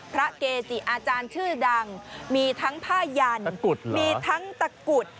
เกจิอาจารย์ชื่อดังมีทั้งผ้ายันมีทั้งตะกุด